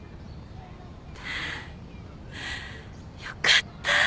よかった。